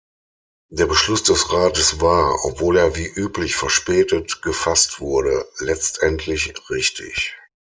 Der Beschluss des Rates war, obwohl er wie üblich verspätet gefasst wurde, letztendlich richtig.